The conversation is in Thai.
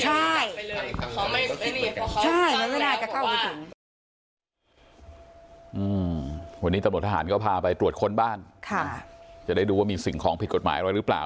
หวัดนี้ดำหนดทหารก็พาไปตรวจคนบ้านจะได้ดูว่ามีสิ่งของผิดกฎหมายหรือเปล่า